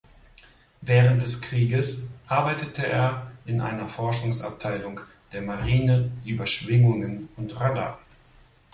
Während des Krieges arbeitete er in einer Forschungsabteilung der Marine über Schwingungen und Radar.